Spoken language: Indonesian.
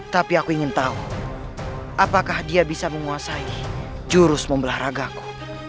tapi aku ingin tahu apakah dia bisa menguasai jurus membelah ragaku